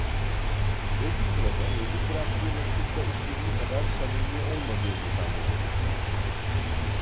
Ve bu sırada, yazıp bıraktığı mektupta istediği kadar samimi olmadığını zannetti…